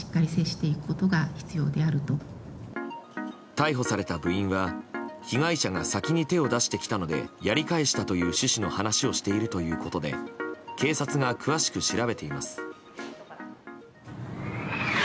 逮捕された部員は被害者が先に手を出してきたのでやり返したという趣旨の話をしているということで警察が詳しく調べています。